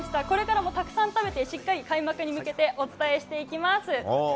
これからもたくさん食べてしっかり開幕に向けてお伝えしていきます。